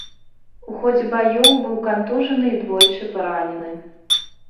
У ходзе баёў быў кантужаны і двойчы паранены.